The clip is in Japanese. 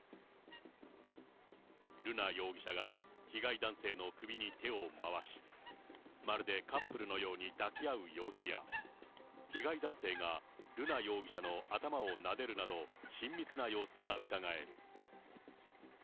瑠奈容疑者が被害男性の首に手を回し、まるでカップルのように抱き合う様子や、被害男性が瑠奈容疑者の頭をなでるなど、親密な様子がうかがえる。